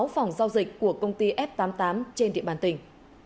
một mươi sáu phòng giao dịch của công ty f tám mươi tám trên địa bàn tỉnh